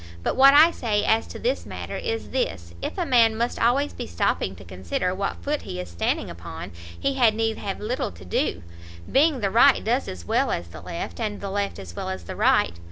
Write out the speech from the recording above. But what I say as to this matter, is this, if a man must always be stopping to consider what foot he is standing upon, he had need have little to do, being the right does as well as the left, and the left as well as the right.